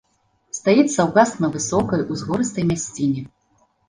Стаіць саўгас на высокай, узгорыстай мясціне.